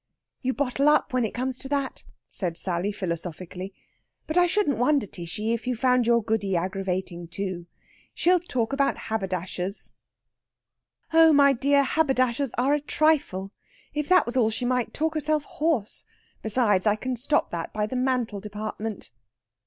"You bottle up when it comes to that," said Sally philosophically. "But I shouldn't wonder, Tishy, if you found your Goody aggravating, too. She'll talk about haberdashers." "Oh, my dear, haberdashers are a trifle! If that was all she might talk herself hoarse. Besides, I can stop that by the mantle department."